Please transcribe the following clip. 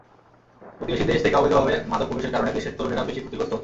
প্রতিবেশী দেশ থেকে অবৈধভাবে মাদক প্রবেশের কারণে দেশের তরুণেরা বেশি ক্ষতিগ্রস্ত হচ্ছেন।